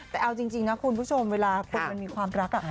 แต่เอาจริงนะคุณผู้ชมเวลาคนมันมีความรัก